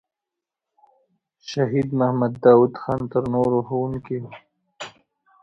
شهید محمد داود خان تر نورو ښوونکی وو.